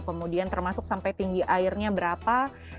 kemudian termasuk sampai tinggi airnya berapa